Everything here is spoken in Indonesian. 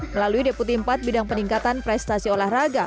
melalui deputi empat bidang peningkatan prestasi olahraga